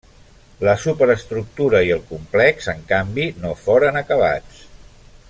La superestructura i el complex en canvi no foren acabats.